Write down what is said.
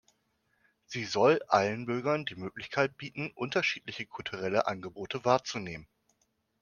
Sie soll allen Bürgern die Möglichkeit bieten unterschiedliche kulturelle Angebote wahrzunehmen.